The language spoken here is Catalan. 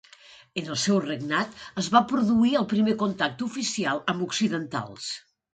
En el seu regnat es va produir el primer contacte oficial amb occidentals.